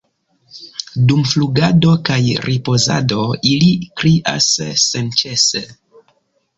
Dum flugado kaj ripozado ili krias senĉese.